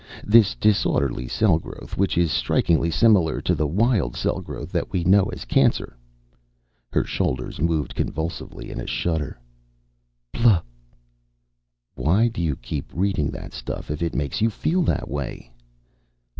This disorderly cell growth, which is strikingly similar to the wild cell growth that we know as cancer " Her shoulders moved convulsively in a shudder. "Bluh!" "Why do you keep reading that stuff, if it makes you feel that way?"